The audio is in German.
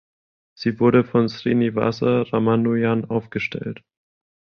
Sie wurde von Srinivasa Ramanujan aufgestellt.